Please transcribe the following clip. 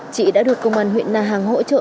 chị đã được công an huyện na hàng hỗ trợ